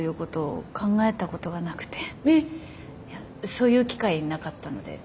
そういう機会なかったので。